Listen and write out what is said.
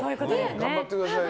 頑張ってください！